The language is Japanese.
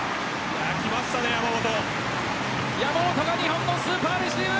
きましたね、山本。